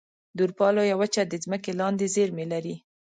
د اروپا لویه وچه د ځمکې لاندې زیرمې لري.